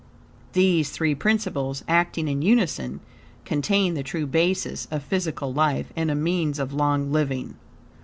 These three principles, acting in unison, contain the true basis of physical life and a means of long living.